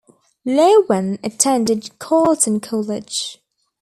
Loewen attended Carleton College.